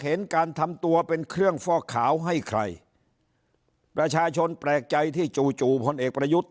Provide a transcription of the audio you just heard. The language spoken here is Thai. เห็นการทำตัวเป็นเครื่องฟอกขาวให้ใครประชาชนแปลกใจที่จู่จู่พลเอกประยุทธ์